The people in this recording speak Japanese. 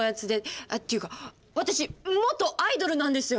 っていうか私元アイドルなんですよ。